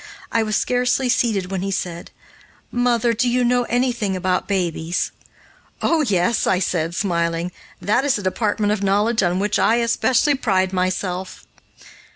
I was scarcely seated when he said: "Mother, do you know anything about babies?" "Oh, yes!" I said, smiling, "that is a department of knowledge on which I especially pride myself."